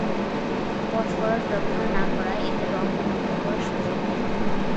Phosphorus ব্যবহার না করায় এতে রং বিকৃত হওয়ার সুযোগ নেই।